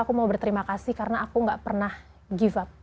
aku mau berterima kasih karena aku gak pernah give up